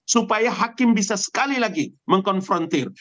supaya hakim bisa sekali lagi mengkonfrontir